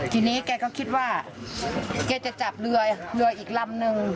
ทีนี้แกก็คิดว่าแกจะจับเรือเรืออีกลำนึง